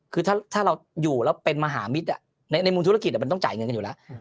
คือถ้าเราอยู่แล้วเป็นมหามิตรในมุมธุรกิจมันต้องจ่ายเงินกันอยู่แล้ว